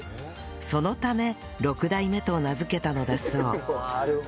そのため「六代目」と名付けたのだそう